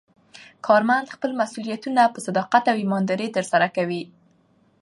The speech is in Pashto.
کارمند خپل مسوولیتونه په صداقت او ایماندارۍ ترسره کوي